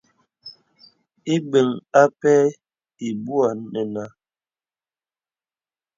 Ìbəŋ ǎ pɛ ibwə̄ nə nǎ.